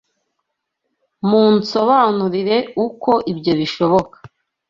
Munsobanurire uko ibyo bishoboka.